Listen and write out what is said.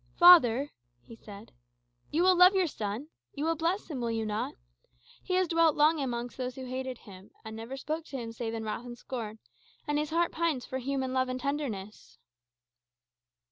"Father," he said, "you will love your son? you will bless him, will you not? He has dwelt long amongst those who hated him, and never spoke to him save in wrath and scorn, and his heart pines for human love and tenderness."